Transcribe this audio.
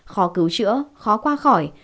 khó cứu chữa khó qua khỏi